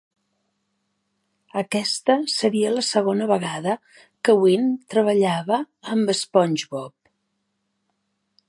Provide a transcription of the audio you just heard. Aquesta seria la segona vegada que Ween treballava amb SpongeBob.